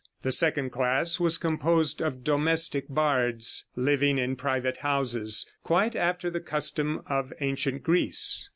The second class was composed of domestic bards, living in private houses, quite after the custom of ancient Greece.